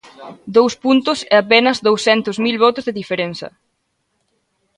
Dous puntos e apenas dous centos mil votos de diferenza.